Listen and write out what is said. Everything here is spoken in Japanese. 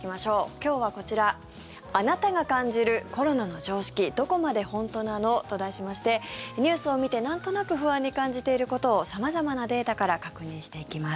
今日はこちらあなたが感じるコロナの常識どこまでホントなの？と題しましてニュースを見て、なんとなく不安に感じていることを様々なデータから確認していきます。